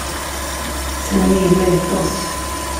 Sami yella yettess.